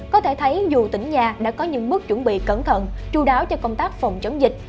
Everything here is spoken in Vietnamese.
có thể thấy dù tỉnh nhà đã có những bước chuẩn bị cẩn thận chú đáo cho công tác phòng chống dịch